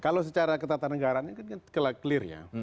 kalau secara ketatanegaraan kan klirnya